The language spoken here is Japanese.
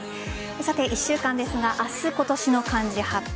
１週間ですが明日、今年の漢字発表。